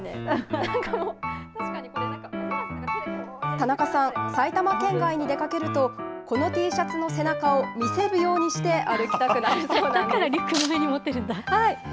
田中さん、埼玉県外に出かけると、このＴシャツの背中を、見せるようにして歩きたくなるそうなんです。